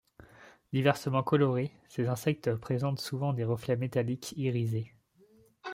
Diversement colorés, ces insectes présentent souvent des reflets métalliques irisés.